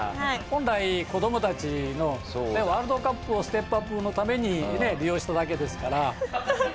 本来子どもたちのワールドカップをステップアップのために利用しただけですから。